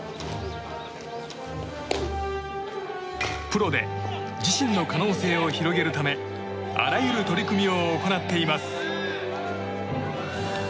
プロで自身の可能性を広げるためあらゆる取り組みを行っています。